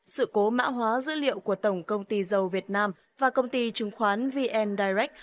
sự cố mã hóa dữ liệu của tổng công ty dầu việt nam và công ty chứng khoán vn direct